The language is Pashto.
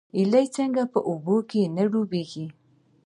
هیلۍ څنګه په اوبو کې نه ډوبیږي؟